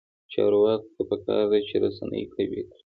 چارواکو ته پکار ده چې، رسنۍ قوي کړي.